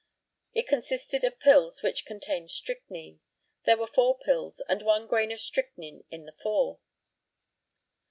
It consisted of pills which contained strychnine. There were four pills, and one grain of strychnine in the four.